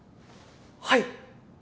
はい。